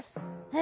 え！？